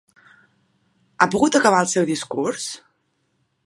Ha pogut acabar el seu discurs?